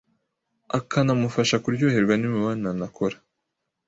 ukanamufasha kuryoherwa nimibonano akora